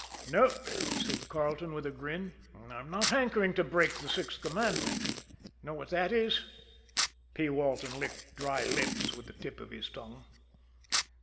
"Nope!" said Carleton with a grin. "I'm not hankering to break the Sixth Commandment know what that is?" P. Walton licked dry lips with the tip of his tongue.